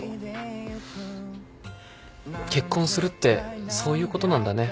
結婚するってそういうことなんだね。